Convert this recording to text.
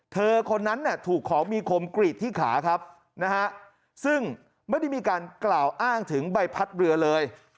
คนนั้นถูกของมีคมกรีดที่ขาครับนะฮะซึ่งไม่ได้มีการกล่าวอ้างถึงใบพัดเรือเลย